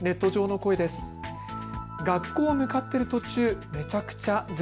ネット上の声です。